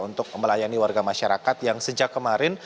untuk melayani warga masyarakat yang sejak kemarin